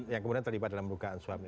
yang kemudian terlibat dalam dugaan suami